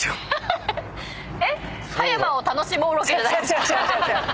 違う違う違う。